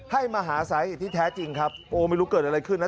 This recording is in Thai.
ให้มาหาสาเหตุที่แท้จริงครับโอ้ไม่รู้เกิดอะไรขึ้นนะ